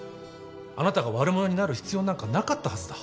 あなたが悪者になる必要なんかなかったはずだ。